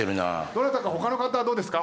どなたか他の方どうですか？